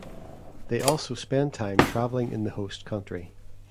They also spend time traveling in the host country.